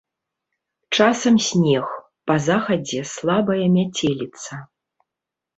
Часам снег, па захадзе слабая мяцеліца.